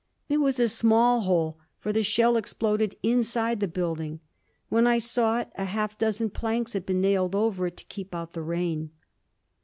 It was a small hole, for the shell exploded inside the building. When I saw it a half dozen planks had been nailed over it to keep out the rain.